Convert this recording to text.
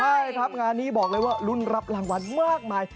ใช่ครับงานนี้บอกเลยว่ารุ่นรับรางวัลมากมาย